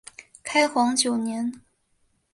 开皇九年。